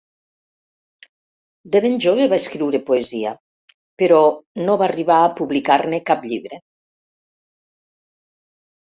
De ben jove va escriure poesia, però no va arribar a publicar-ne cap llibre.